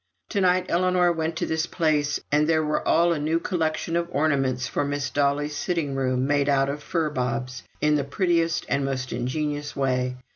To night Ellinor went to this place, and there were all a new collection of ornaments for Miss Dolly's sitting room made out of fir bobs, in the prettiest and most ingenious way.